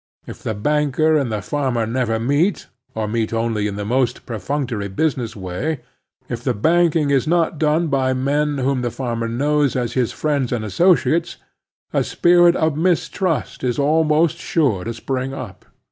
If the banker and the farmer never meet, or meet only in the most per functory business way, if the banking is not done by men whom the farmer knows as his friends and associates, a spirit of mistrust is almost sure to spring up.